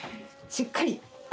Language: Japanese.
しっかりよ。